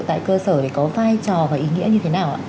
tại cơ sở thì có vai trò và ý nghĩa như thế nào ạ